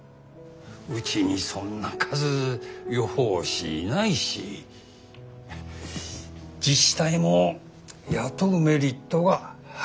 うちにそんな数予報士いないし自治体も雇うメリットがはっきりしないなあ。